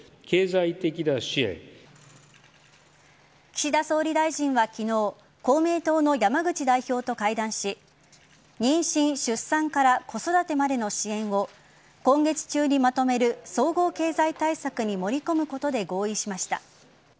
岸田総理大臣は昨日公明党の山口代表と会談し妊娠・出産から子育てまでの支援を今月中にまとめる総合経済対策に盛り込むことで合意しました。